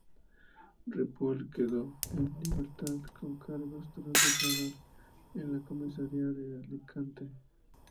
Ripoll quedó en libertad con cargos tras declarar en la comisaría de Alicante.